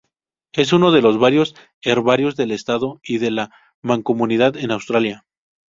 Es uno de los varios herbarios del estado y de la Mancomunidad en Australia.